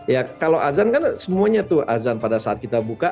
ya kalau azan kan semuanya tuh azan pada saat kita buka